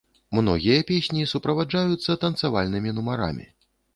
Многія песні суправаджаюцца танцавальнымі нумарамі.